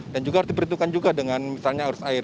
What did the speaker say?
dan juga harus diperhitungkan juga dengan misalnya arus air